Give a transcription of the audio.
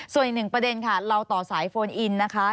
ส่วนอีกหนึ่งประเด็นค่ะเราต่อสายโฟนอินนะคะ